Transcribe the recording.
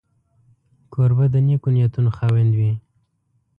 کوربه د نېکو نیتونو خاوند وي.